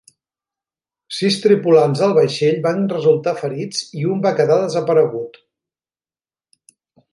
Sis tripulants del vaixell van resultar ferits i un va quedar desaparegut.